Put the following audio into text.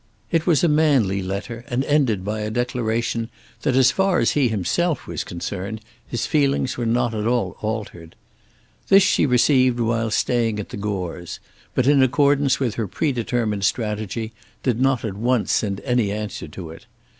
It was a manly letter and ended by a declaration that as far as he himself was concerned his feelings were not at all altered. This she received while staying at the Gores', but, in accordance with her predetermined strategy, did not at once send any answer to it.